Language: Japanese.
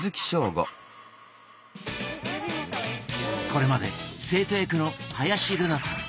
これまで生徒役の林瑠奈さん